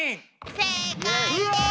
正解です！